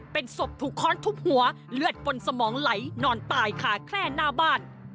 เป็นศพถูกค้อนทุบหัวเลือดบนสมองไหลนอนตายค่ะแค่หน้าบ้าน